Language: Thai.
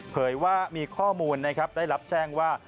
เผยว่ามีข้อมูลนะครับได้รับแจ้งว่า